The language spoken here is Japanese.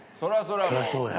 そりゃそうや。